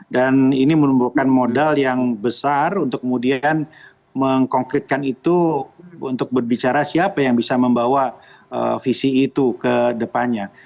dan ini menumbuhkan modal yang besar untuk kemudian mengkonflikkan itu untuk berbicara siapa yang bisa membawa visi itu ke depannya